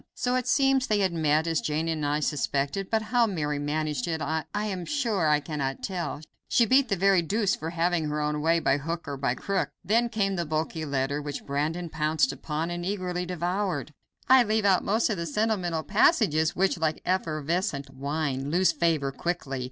So it seems they had met, as Jane and I suspected, but how Mary managed it I am sure I cannot tell; she beat the very deuce for having her own way, by hook or by crook. Then came the bulky letter, which Brandon pounced upon and eagerly devoured. I leave out most of the sentimental passages, which, like effervescent wine, lose flavor quickly.